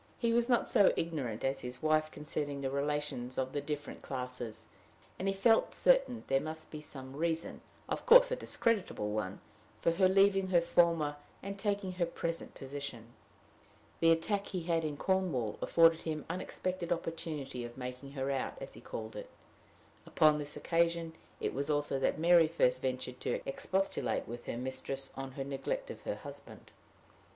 He was not so ignorant as his wife concerning the relations of the different classes, and he felt certain there must be some reason, of course a discreditable one, for her leaving her former, and taking her present, position. The attack he had in Cornwall afforded him unexpected opportunity of making her out, as he called it. Upon this occasion it was also that Mary first ventured to expostulate with her mistress on her neglect of her husband.